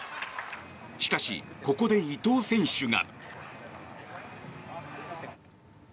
しかし、ここで伊藤選手が。